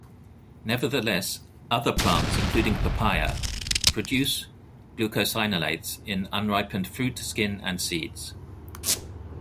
Nevertheless, other plants, including papaya, produce glucosinolates in unripened fruit, skin and seeds.